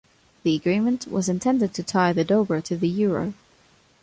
The agreement was intended to tie the dobra to the euro.